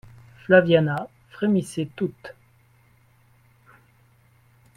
Flaviana frémissait toute.